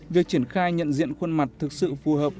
việc triển khai nhận diện khuôn mặt thực sự phù hợp